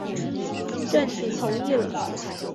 郑覃同意了。